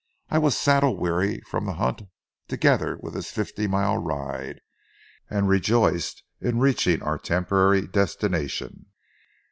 I was saddle weary from the hunt, together with this fifty mile ride, and rejoiced in reaching our temporary destination.